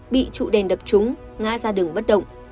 bị trụ đèn đập chúng ngã ra đường bất động